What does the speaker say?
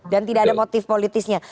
dan tidak ada motif politisnya